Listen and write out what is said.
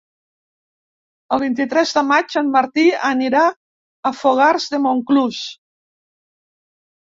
El vint-i-tres de maig en Martí anirà a Fogars de Montclús.